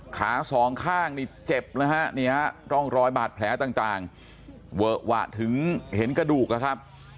ขาสองข้างเจ็บร่องรอยบาดแผลต่างเวอะวะถึงเห็นกระดูกนะครับ